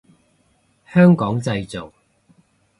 香港製造